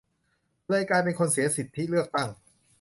เลยกลายเป็นคนเสียสิทธิเลือกตั้ง